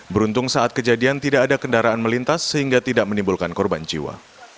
beruntung saat kejadian tidak ada kendaraan melintas sehingga tidak menimbulkan korban jiwa